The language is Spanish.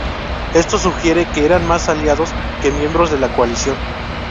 Esto sugiere que eran más aliados que miembros de la Coalición.